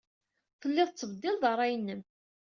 Telliḍ tettbeddileḍ ṛṛay-nnem.